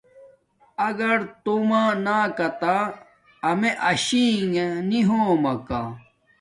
اگر توم ناکاتہ امے اشی نݣ نی ہوم ماکا